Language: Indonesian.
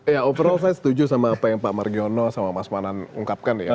ya overall saya setuju sama apa yang pak margiono sama mas manan ungkapkan ya